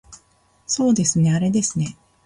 そうですねあれですね